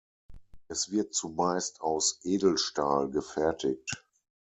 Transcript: Es wird zumeist aus Edelstahl gefertigt.